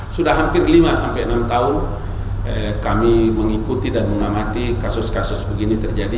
sudah hampir lima sampai enam tahun kami mengikuti dan mengamati kasus kasus begini terjadi